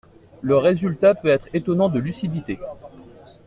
Le résultat peut être étonnant de lucidité.